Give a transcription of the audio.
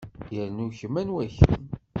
Yernu kemm anwa-kem?